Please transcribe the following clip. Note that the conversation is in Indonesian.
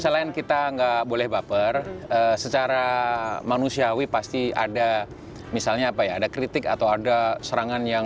selain kita nggak boleh baper secara manusiawi pasti ada misalnya apa ya ada kritik atau ada serangan yang